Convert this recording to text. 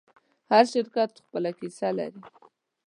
هر شرکت خپله کیسه لري.